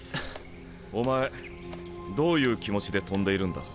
お前どういう気持ちで跳んでいるんだ。